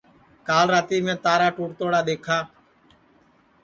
کال راتی میں تارا ٹُوٹ توڑا دؔیکھا